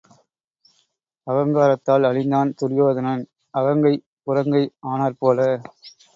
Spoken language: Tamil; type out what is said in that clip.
அகங்காரத்தால் அழிந்தான் துரியோதனன், அகங்கை புறங்கை ஆனாற் போல.